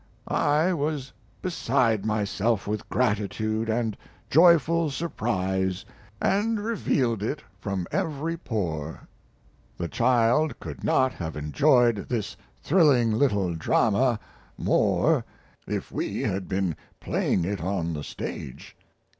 I was beside myself with gratitude and joyful surprise, and revealed it from every pore. The child could not have enjoyed this thrilling little drama more if we had been playing it on the stage.